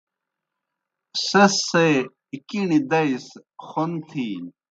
سیْس سے کِݨیْ دئی سہ خون تِھینیْ۔